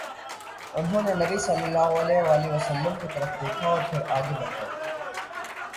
انھوں نے نبی صلی اللہ علیہ وسلم کی طرف دیکھا، پھر آگے بڑھ گئے